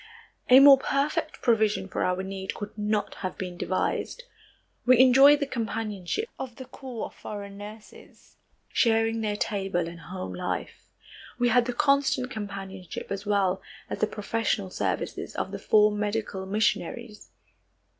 A more perfect provision for our need could not have been devised. We enjoyed the companionship of the corps of foreign nurses, sharing their table and home life. We had the constant companionship as well as the professional services of the four medical missionaries.